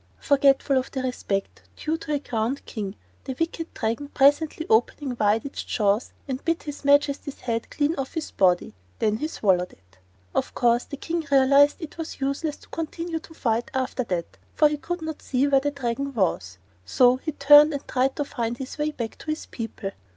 Forgetful of the respect due to a crowned King, the wicked Dragon presently opening wide its jaws and bit his Majesty's head clean off his body. Then he swallowed it. Of course the King realized it was useless to continue to fight after that, for he could not see where the Dragon was. So he turned and tried to find his way back to his people.